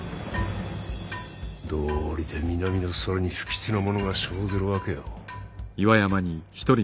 どうりで南の空に不吉なものが生ずるわけよ。